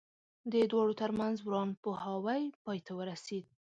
د دواړو ترمنځ ورانپوهاوی پای ته ورسېد.